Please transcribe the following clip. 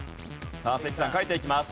さあ関さん書いていきます。